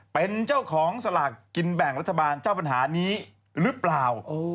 เป็นเจ้าของสลากกินแบ่งรัฐบาลเจ้าปัญหานี้หรือเปล่า